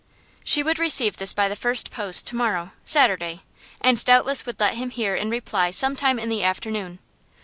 She would receive this by the first post to morrow, Saturday, and doubtless would let him hear in reply some time in the afternoon.